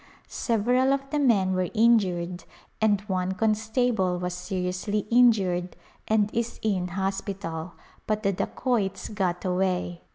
Several of the men were injured and one constable was seriously injured and is in hospital, but the dacoits got away.